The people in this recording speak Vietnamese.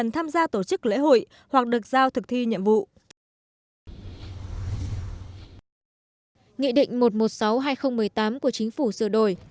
nghị định một trăm một mươi sáu hai nghìn một mươi tám của chính phủ sửa đổi